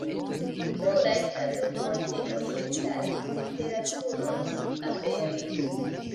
Pluraj tradukoj de orientaj literaturoj aperis.